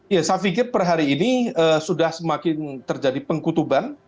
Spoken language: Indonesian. ya saya pikir per hari ini sudah semakin terjadi pengkutuban